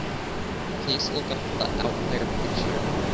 Please look up the Out There picture.